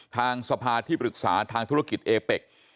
ทางสภาที่ปรึกษาทางธุรกิจเอเป็ก